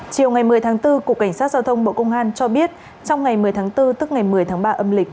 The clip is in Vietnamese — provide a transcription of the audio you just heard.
chiều ngày một mươi tháng bốn cục cảnh sát giao thông bộ công an cho biết trong ngày một mươi tháng bốn tức ngày một mươi tháng ba âm lịch